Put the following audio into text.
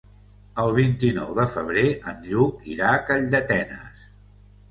El vint-i-nou de febrer en Lluc irà a Calldetenes.